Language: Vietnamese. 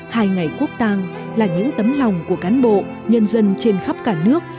hai ngày quốc tàng là những tấm lòng của cán bộ nhân dân trên khắp cả nước